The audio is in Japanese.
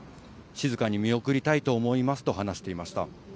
静かに見送りたいと思いますと話していました。